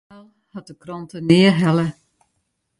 It ferhaal hat de krante nea helle.